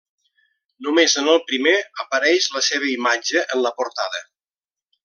Només en el primer apareix la seva imatge en la portada.